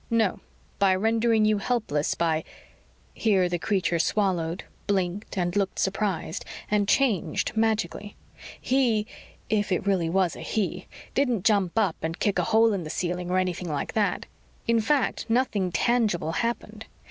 "No. By rendering you helpless by " Here the creature swallowed, blinked and looked surprised and changed magically. He if it really was a he didn't jump up and kick a hole in the ceiling or anything like that. In fact, nothing tangible happened.